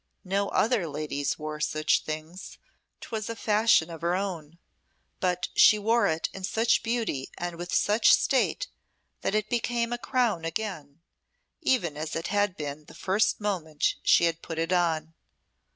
No other ladies wore such things, 'twas a fashion of her own; but she wore it in such beauty and with such state that it became a crown again even as it had been the first moment that she had put it on.